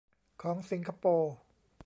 ของสิงคโปร์